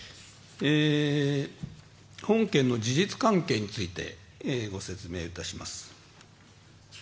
本件の事実関係についてご説明いたします。